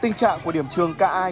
tình trạng của điểm trường ca ai